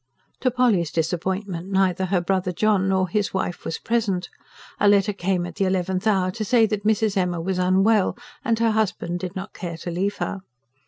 To Polly's disappointment neither her brother John nor his wife was present; a letter came at the eleventh hour to say that Mrs. Emma was unwell, and her husband did not care to leave her.